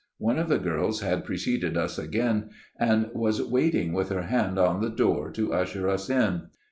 One of the girls had preceded us again and was waiting with her hand on the door to usher us in.